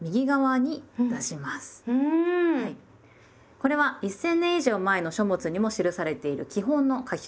これは一千年以上前の書物にも記されている基本の書き方です。